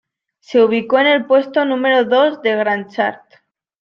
Se ubicó en el puesto número dos de Gaon Chart.